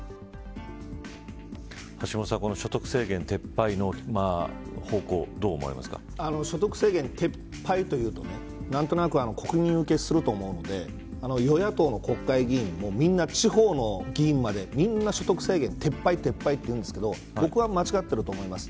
橋下さん、所得制限撤廃の所得制限撤廃というと何となく国民受けすると思うので与野党の国会議員も地方の議員までみんな所得制限撤廃というんですけど僕は間違ってると思います。